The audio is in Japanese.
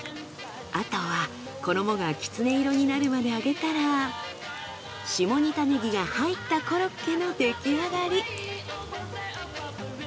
あとは衣がきつね色になるまで揚げたら下仁田ねぎが入ったコロッケのできあがり。